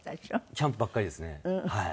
キャンプばっかりですねはい。